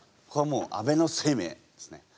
ここはもう安倍晴明ですね。